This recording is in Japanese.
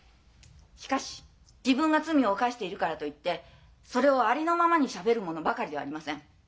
しかし自分が罪を犯しているからといってそれをありのままにしゃべる者ばかりではありません。